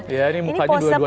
ini muka dua duanya sudah lezat